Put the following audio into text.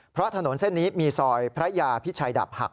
เพราะถนนเส้นนี้มีซอยพระยาพิชัยดับหัก